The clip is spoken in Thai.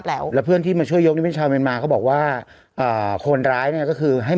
เดี๋ยวค่าเจ้าฟลา